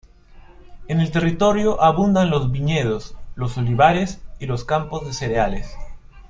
En el territorio abundan los viñedos, los olivares y los campos de cereales.